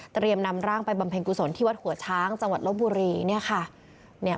นำร่างไปบำเพ็ญกุศลที่วัดหัวช้างจังหวัดลบบุรีเนี่ยค่ะ